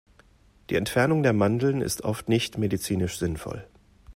Die Entfernung der Mandeln ist oft nicht medizinisch sinnvoll.